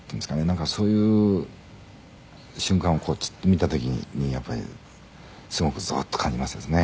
「なんかそういう瞬間を見た時にやっぱりすごくゾワッと感じますですね」